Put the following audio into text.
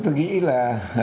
tôi nghĩ là